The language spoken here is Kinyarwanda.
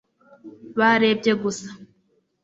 barebye gusa